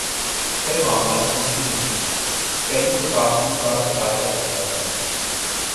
پھر معاملہ جزوی نہیں، کلی تقابل کا تقاضا کرتا ہے۔